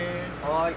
はい。